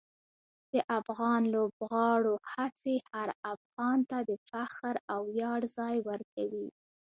د افغان لوبغاړو هڅې هر افغان ته د فخر او ویاړ ځای ورکوي.